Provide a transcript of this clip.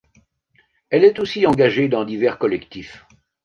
Elle est aussi engagée dans divers collectifs.